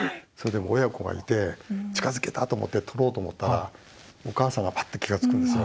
親子がいて近づけたと思って撮ろうと思ったらお母さんがパッて気が付くんですよ。